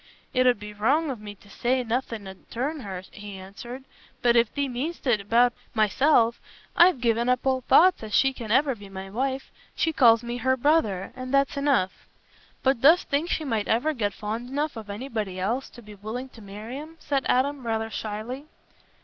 "It 'ud be wrong of me to say nothing 'ud turn her," he answered. "But if thee mean'st it about myself, I've given up all thoughts as she can ever be my wife. She calls me her brother, and that's enough." "But dost think she might ever get fond enough of anybody else to be willing to marry 'em?" said Adam rather shyly.